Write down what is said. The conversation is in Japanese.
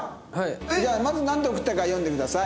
じゃあまずなんて送ったか読んでください。